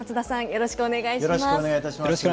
よろしくお願いします。